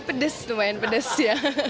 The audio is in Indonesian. ini pedes lumayan pedes ya